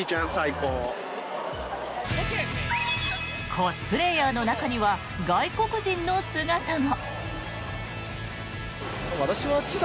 コスプレーヤーの中には外国人の姿も。